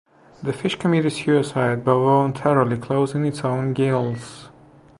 The fish committed suicide by voluntarily closing its own gills.